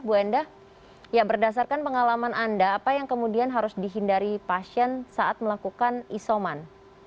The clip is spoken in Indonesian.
bu enda ya berdasarkan pengalaman anda apa yang kemudian harus dihindari pasien saat melakukan isoman